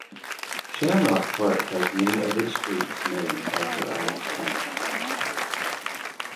Shamrock Park has many of its streets named after Irish Towns.